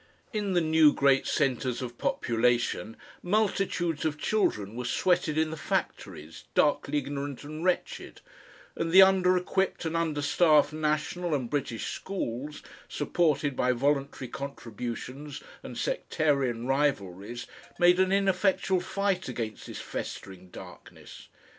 In the new great centres of population multitudes of children were sweated in the factories, darkly ignorant and wretched and the under equipped and under staffed National and British schools, supported by voluntary contributions and sectarian rivalries, made an ineffectual fight against this festering darkness.